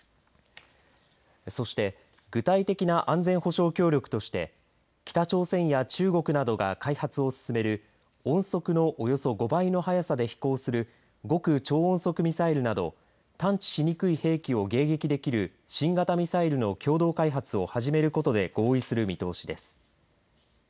そして具体的な安全保障協力として北朝鮮や中国などが開発を進める音速のおよそ５倍の速さで飛行する極超音速ミサイルなど探知しにくい兵器を迎撃できる新型ミサイルの共同開発を始めることで合意する見通しです。